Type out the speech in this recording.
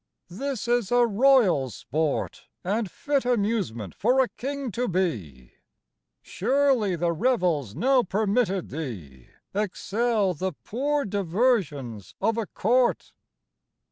this is a royal sport, And fit amusement for a king to be ! Surely the revels now permitted thee Excel the poor diversions of a court